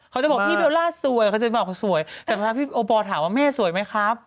เขาจะบอกพี่เบลล่าสวยเขาจะบอกเขาสวยแต่เวลาพี่โอปอลถามว่าแม่สวยไหมครับ